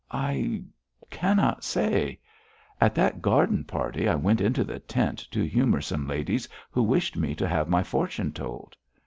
'I cannot say. At that garden party I went into the tent to humour some ladies who wished me to have my fortune told.'